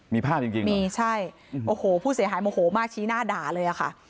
มีภาพจริงมีใช่โอ้โหผู้เสียหายโมโหมากชี้หน้าด่าเลยอะค่ะ